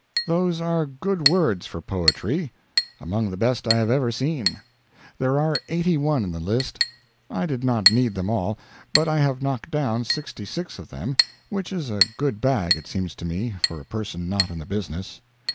Those are good words for poetry. Among the best I have ever seen. There are 81 in the list. I did not need them all, but I have knocked down 66 of them; which is a good bag, it seems to me, for a person not in the business.